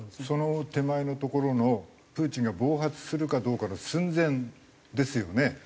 その手前のところのプーチンが暴発するかどうかの寸前ですよね。